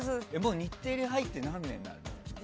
日テレ入って何年になるの？